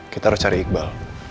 kita harus cari iqbal